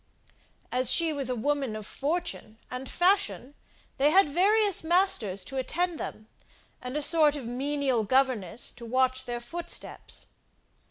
As she was a woman of fortune and fashion, they had various masters to attend them, and a sort of menial governess to watch their footsteps.